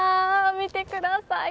見てください。